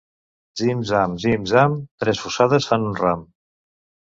Zim-zam, zim-zam, tres fusades fan un ram.